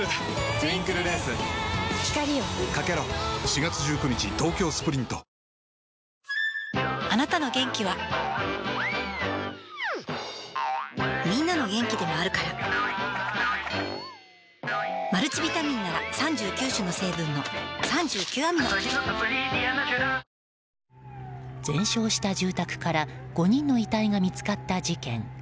「ディアナチュラ」全焼した住宅から５人の遺体が見つかった事件。